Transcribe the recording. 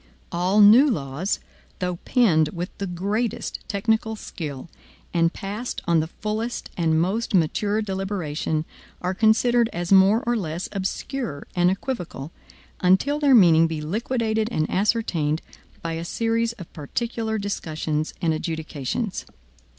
All new laws, though penned with the greatest technical skill, and passed on the fullest and most mature deliberation, are considered as more or less obscure and equivocal, until their meaning be liquidated and ascertained by a series of particular discussions and adjudications.